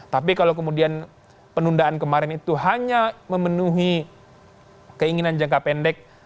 tapi kalau kemudian penundaan kemarin itu hanya memenuhi keinginan jangka pendek